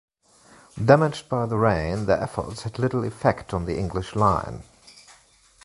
Damaged by the rain, their efforts had little effect on the English line.